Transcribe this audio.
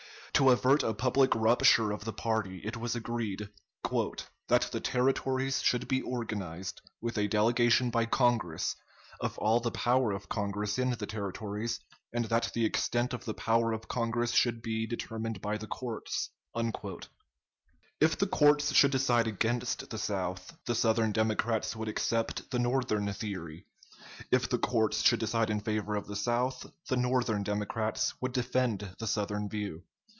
To avert a public rupture of the party, it was agreed "that the Territories should be organized with a delegation by Congress of all the power of Congress in the Territories, and that the extent of the power of Congress should be determined by the courts." If the courts should decide against the South, the Southern Democrats would accept the Northern theory; if the courts should decide in favor of the South, the Northern Democrats would defend the Southern view.